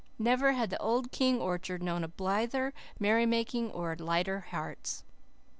Never had the old King orchard known a blither merrymaking or lighter hearts.